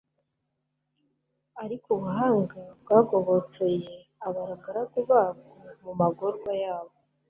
ariko ubuhanga bwagobotoye abagaragu babwo mu magorwa yabo